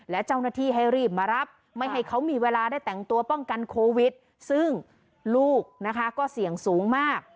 และเจ้าหน้าที่ให้รีบมารับไม่ให้เขามีเวลาได้แต่งตัวป้องกันโควิดซึ่งลูกนะคะก็เสี่ยงสูงมาก